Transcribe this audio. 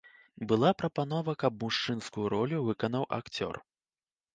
Была прапанова, каб мужчынскую ролю выканаў акцёр.